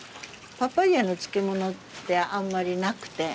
パパイアの漬物ってあんまりなくて。